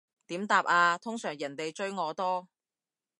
點答啊，通常人哋追我多